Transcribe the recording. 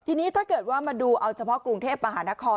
ทีนี้ถ้าเกิดว่ามาดูเอาเฉพาะกรุงเทพมหานคร